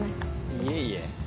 いえいえ。